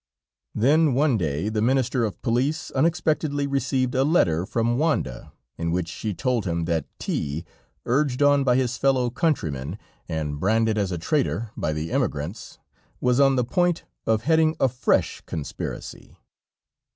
Then one day the Minister of Police unexpectedly received a letter from Wanda, in which she told him that T , urged on by his fellow countrymen, and branded as a traitor by the emigrants, was on the point of heading a fresh conspiracy.